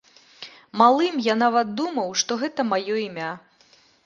Малым я нават думаў, што гэта маё імя.